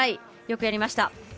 よくやりました。